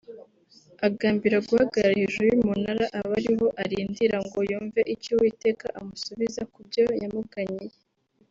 Agambirira guhagarara hejuru y’umunara aba ariho arindira ngo yumve icyo Uwiteka amusubiza kubyo yamuganyiye